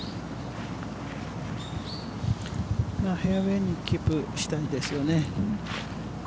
フェアウェイにキープしたいですよね。